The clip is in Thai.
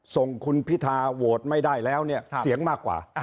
ส่งคุณพิธาโหวตไม่ได้แล้วเนี่ยเสียงมากกว่า